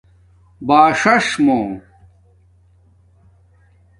باݽݽ مُو